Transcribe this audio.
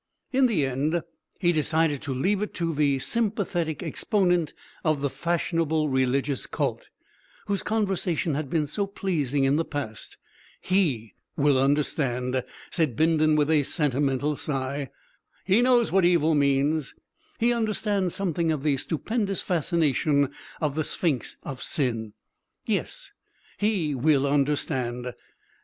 In the end he decided to leave it to the sympathetic exponent of the fashionable religious cult, whose conversation had been so pleasing in the past. "He will understand," said Bindon with a sentimental sigh. "He knows what Evil means he understands something of the Stupendous Fascination of the Sphinx of Sin. Yes he will understand."